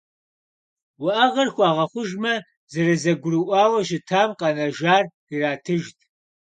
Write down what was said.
Уӏэгъэр хуэгъэхъужмэ, зэрызэгурыӏуауэ щытам къэнэжар иратыжт.